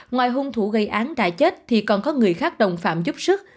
ngoài hung thủ gây án đại chất thì còn có người khác đồng phạm giúp sức